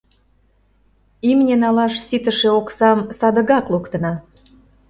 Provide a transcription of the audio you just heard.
Имне налаш ситыше оксам садыгак луктына.